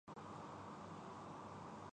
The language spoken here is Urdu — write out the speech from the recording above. آج جیساکہ کچھ لوگوں نے اسی کو دین سمجھ لیا